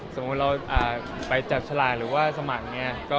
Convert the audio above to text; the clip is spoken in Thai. สมมุติเราไปเราแบบชะลายหรือว่าสมังเนี่ย